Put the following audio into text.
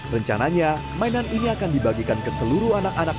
rencananya mainan ini akan dibagikan ke seluruh anak anak